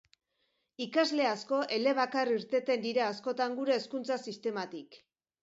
Ikasle asko elebakar irteten dira askotan gure hezkuntza sistematik.